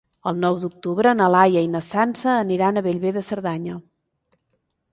El nou d'octubre na Laia i na Sança aniran a Bellver de Cerdanya.